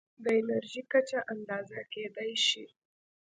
د انرژۍ کچه اندازه کېدای شي.